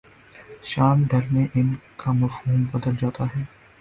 شام ڈھلے ان کا مفہوم بدل جاتا ہے۔